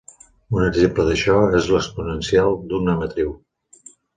Un exemple d'això és l'exponencial d'una matriu.